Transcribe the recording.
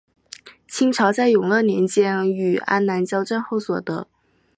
明朝在永乐年间与安南交战后所得。